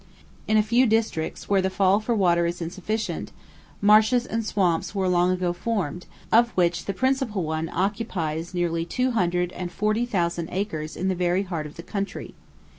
In a few districts where the fall for water is insufficient, marshes and swamps were long ago formed, of which the principal one occupies nearly 240,000 acres in the very heart of the country.